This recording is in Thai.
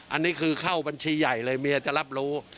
อันนี้คือเข้าบัญชีใหญ่เลยเมียจะรับรู้